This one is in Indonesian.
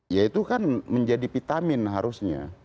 ya itu kan menjadi vitamin harusnya